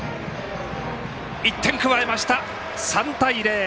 １点加えました、３対０。